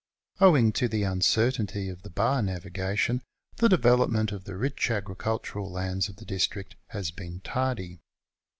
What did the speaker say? Owing to the uncertainty of the bar navigation the development of the rich agricul tural lands of the district has been tardy.